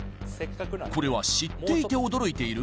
これは知っていて驚いている？